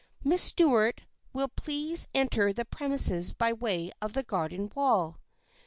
Miss Stuart will please enter the premises by way of the garden wall.